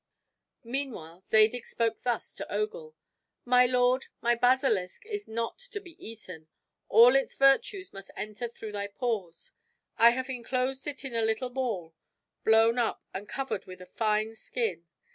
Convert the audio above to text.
Meanwhile Zadig spoke thus to Ogul: "My lord, my basilisk is not to be eaten; all its virtues must enter through thy pores. I have inclosed it in a little ball, blown up and covered with a fine skin.